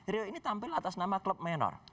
rio ini tampil atas nama klub menor